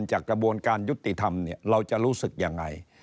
กระบวนการยุติธรรมเราจะรู้สึกยังไง